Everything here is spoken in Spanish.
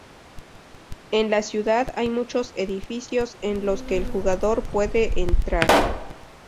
En la ciudad hay muchos edificios en los que el jugador puede entrar.